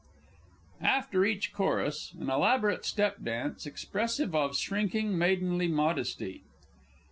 [_After each chorus an elaborate step dance, expressive of shrinking maidenly modesty.